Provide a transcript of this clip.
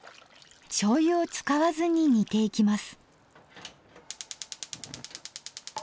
しょうゆを使わずに煮ていきます。